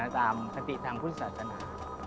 ตามพฤติธรรมคุณศาสนา